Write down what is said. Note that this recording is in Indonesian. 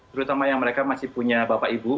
terutama yang mereka masih punya bapak ibu